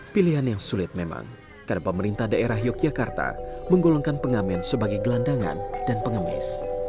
pilihan yang sulit memang karena pemerintah daerah yogyakarta menggolongkan pengamen sebagai gelandangan dan pengemis